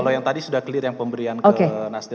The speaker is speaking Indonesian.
kalau yang tadi sudah clear yang pemberian ke nasdem